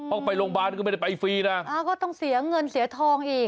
ต้องไปโรงพยาบาลก็ไม่ได้ไปฟรีนะอ่าก็ต้องเสียเงินเสียทองอีก